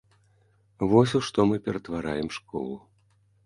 Вось у што мы ператвараем школу.